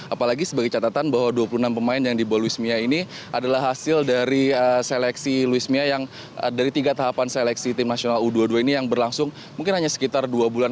apalagi sebagai catatan bahwa dua puluh enam pemain yang dibawa luis mia ini adalah hasil dari seleksi luis mia yang dari tiga tahapan seleksi tim nasional u dua puluh dua ini yang berlangsung mungkin hanya sekitar dua bulan